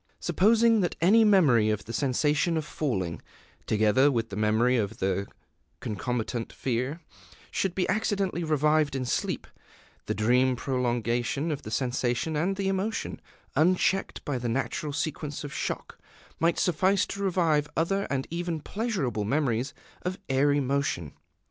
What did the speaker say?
Supposing that any memory of the sensation of falling, together with the memory of the concomitant fear, should be accidentally revived in sleep, the dream prolongation of the sensation and the emotion unchecked by the natural sequence of shock might suffice to revive other and even pleasurable memories of airy motion.